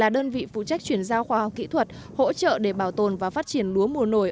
để bảo tồn và phát triển lúa mùa nổi